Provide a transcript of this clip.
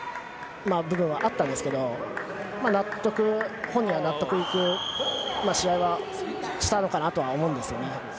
十分あったんですけれど、本人は納得いく試合はしたのかなと思います。